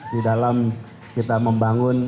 di dalam kita membangun